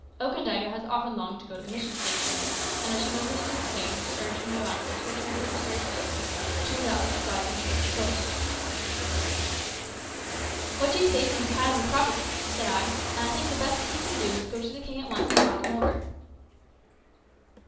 Okandaga has often longed to go to the mission station there, and as she knows it is in vain to urge Mbango to return to his destroyed village, she will doubtless advise him to go to the coast." "What you say seems highly probable," said I; "and I think the best thing you can do is to go to the king at once and talk him over."